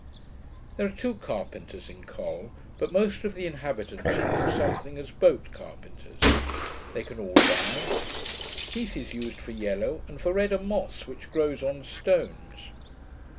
There are two carpenters in Col; but most of the inhabitants can do something as boat carpenters. They can all dye. Heath is used for yellow; and for red, a moss which grows on stones.